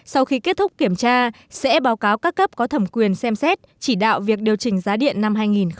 sau khi kết thúc kiểm tra sẽ báo cáo các cấp có thẩm quyền xem xét chỉ đạo việc điều chỉnh giá điện năm hai nghìn một mươi chín